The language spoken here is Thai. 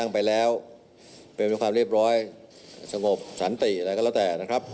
ไปเป็นความเรียบร้อยสมบสันติอะไรคะแล้วแต่